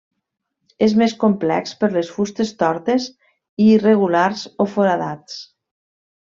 És més complex per les fustes tortes i irregulars o foradats.